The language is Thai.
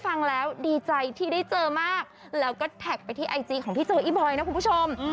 ฟังแล้วดีใจที่ได้เจอมากแล้วก็แท็กไปที่ไอจีของพี่โจอีบอยนะคุณผู้ชม